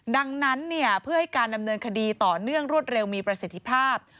ดังนั้นเพื่อให้การดำเนินคดีต่อเนื่องรวดเร็วมีประสิทธิภาพ